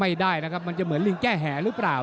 ไม่ได้นะครับมันจะเหมือนลิงแก้แห่หรือเปล่า